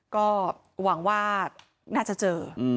ก็หวังว่าน่าจะเจอ